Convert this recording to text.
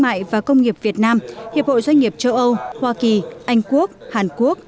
mại và công nghiệp việt nam hiệp hội doanh nghiệp châu âu hoa kỳ anh quốc hàn quốc